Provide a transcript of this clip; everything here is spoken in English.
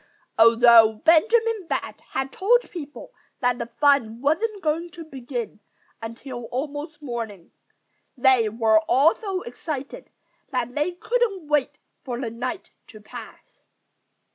Although Benjamin Bat had told people that the fun wasn't going to begin until almost morning, they were all so excited that they couldn't wait for the night to pass.